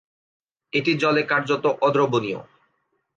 এটি জলে কার্যত অদ্রবণীয়।